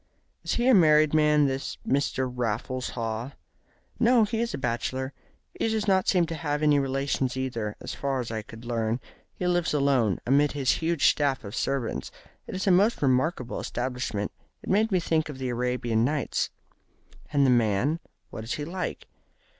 "Is he a married man this Mr. Raffles Haw?" "No, he is a bachelor. He does not seem to have any relations either, as far as I could learn. He lives alone, amid his huge staff of servants. It is a most remarkable establishment. It made me think of the Arabian Nights." "And the man? What is he like?"